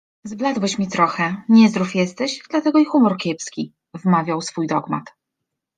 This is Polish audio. - Zbladłeś mi trochę, niezdrów jesteś, dlatego i humor kiepski - wmawiał swój dogmat